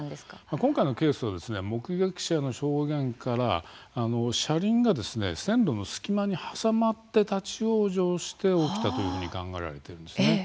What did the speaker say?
今回のケースは目撃者の証言から車輪が線路の隙間に挟まって立ち往生して起きたというふうに考えられているんです。